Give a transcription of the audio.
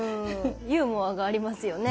ユーモアがありますよね。